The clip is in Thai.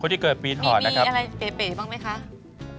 ที่เกิดปีถอดนะครับมีอะไรเป๋บ้างไหมคะ